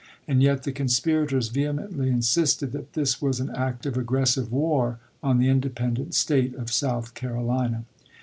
And yet the conspirators vehemently insisted that this was an act of aggressive war on the independent State of South Carolina.